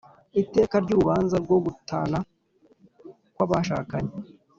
iteka ry urubanza rwo gutana kwa bashakanye